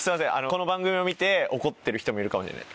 この番組を見て怒ってる人もいるかもしれない。